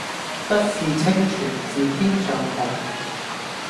不是清泉是天上虹